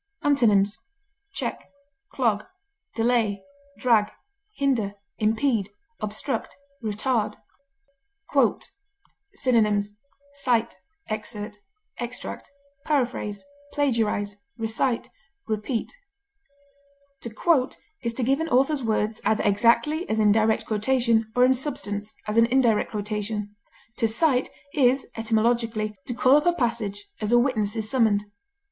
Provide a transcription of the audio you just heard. Antonyms: check, clog, delay, drag, hinder, impede, obstruct, retard. QUOTE. Synonyms: cite, extract, plagiarize, repeat. excerpt, paraphrase, recite, To quote is to give an author's words, either exactly, as in direct quotation, or in substance, as in indirect quotation; to cite is, etymologically, to call up a passage, as a witness is summoned.